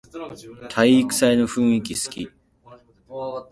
体育祭の雰囲気すき